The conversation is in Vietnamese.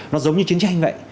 nó giống như chiến tranh vậy